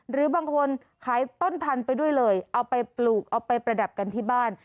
หรือบางคนขายต้นพันธุ์ไปด้วยเลยเอาไปปลูกเอาไปประดับกันที่บ้าน